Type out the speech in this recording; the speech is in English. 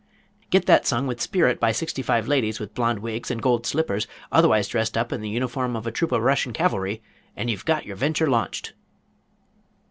"Get that sung with spirit by sixty five ladies with blonde wigs and gold slippers, otherwise dressed up in the uniform of a troop of Russian Cavalry, and you've got your venture launched."